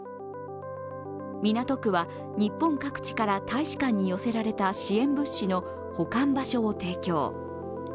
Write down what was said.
港区は日本各地から大使館に寄せられた支援物資の保管場所を提供。